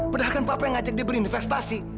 padahal kan papa yang ngajak dia berinvestasi